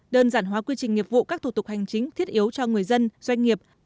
đơn giản hóa quy trình nghiệp vụ các thủ tục hành chính thiết yếu cho người dân doanh nghiệp